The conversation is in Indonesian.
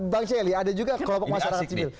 bang celi ada juga kelompok masyarakat sipil